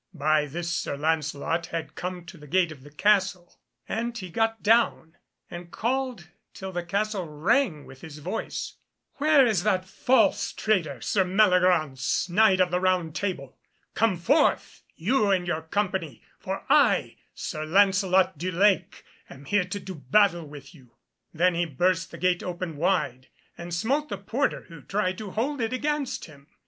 By this Sir Lancelot had come to the gate of the castle, and he got down and called till the castle rang with his voice. "Where is that false traitor Sir Meliagraunce, Knight of the Round Table? Come forth, you and your company, for I, Sir Lancelot du Lake, am here to do battle with you." Then he burst the gate open wide, and smote the porter who tried to hold it against him.